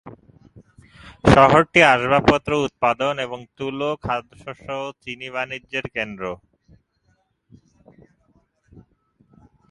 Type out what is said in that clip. শহরটি আসবাবপত্র উৎপাদন এবং তুলো, খাদ্যশস্য ও চিনির বাণিজ্যের কেন্দ্র।